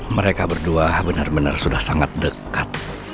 mereka berdua benar benar sudah sangat dekat